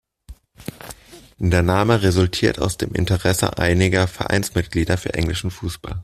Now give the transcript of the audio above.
Der Name resultiert aus dem Interesse einiger Vereinsmitglieder für englischen Fußball.